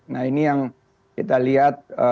nah ini yang kita lihat